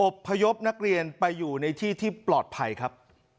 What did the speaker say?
พยพนักเรียนไปอยู่ในที่ที่ปลอดภัยครับ